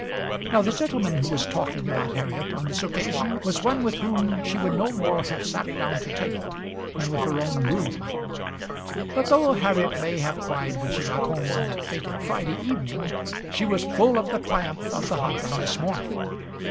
Now the gentleman who was talking about Harriet on this occasion was one with whom she would no more have sat down to table than with her own groom. But though Harriet may have cried when she got home on that fatal Friday evening, she was full of the triumph of the hunt on this morning.